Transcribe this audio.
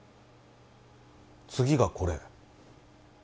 次がこれ。